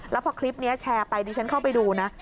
แล้วพอคลิปนี้แชร์ไปดิฉันเข้าไปดูนะ